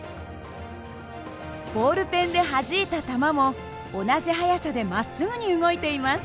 ボールペンではじいた球も同じ速さでまっすぐに動いています。